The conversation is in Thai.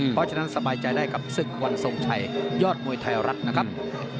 เพราะฉะนั้นสบายใจได้กับศึกวันทรงชัยยอดมวยไทยรัฐนะครับ